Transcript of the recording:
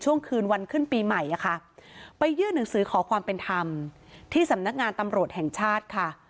คืนวันขึ้นปีใหม่ไปยื่นหนังสือขอความเป็นธรรมที่สำนักงานตำรวจแห่งชาติค่ะ